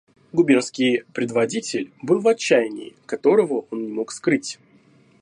Губернский предводитель был в отчаянии, которого он не мог скрыть.